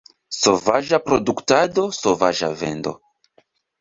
Sovaĝa produktado, sovaĝa vendo.